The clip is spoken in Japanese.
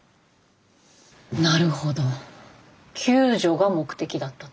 なるほど救助が目的だったと。